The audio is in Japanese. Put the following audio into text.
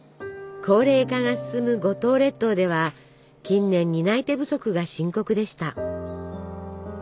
高齢化が進む五島列島では近年担い手不足が深刻でした。